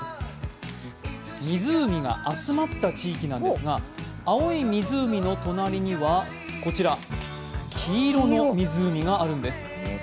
湖が集まった地域なんですが、青い湖の隣には黄色の湖があるんです。